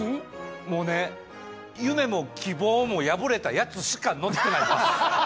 もうね、夢も希望も破れたやつしか乗ってないバス。